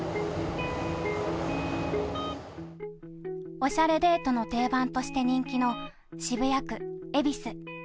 おしゃれデートの定番として人気の渋谷区恵比寿。